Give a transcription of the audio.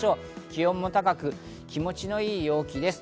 気温も高く、気持ちの良い陽気です。